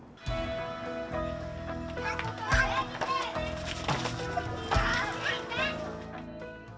kami akan jemput